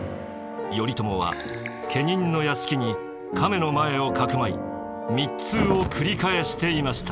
頼朝は家人の屋敷に亀の前をかくまい密通を繰り返していました。